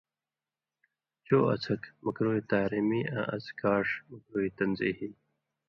چو اڅھک (مکروہ تحریمی) آں اڅھکاݜ (مکروہ تنزیہی)۔